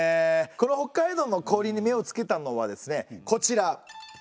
この北海道の氷に目をつけたのはですねこちら。